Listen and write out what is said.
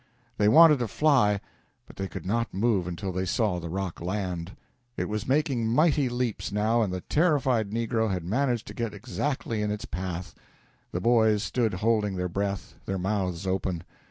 They wanted to fly, but they could not move until they saw the rock land. It was making mighty leaps now, and the terrified negro had managed to get exactly in its path. The boys stood holding their breath, their mouths open.